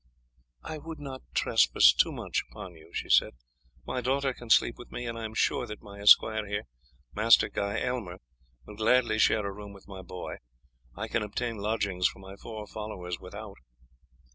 "I would not trespass too much upon you," she said. "My daughter can sleep with me, and I am sure that my esquire here, Master Guy Aylmer, will gladly share a room with my boy. I can obtain lodgings for my four followers without."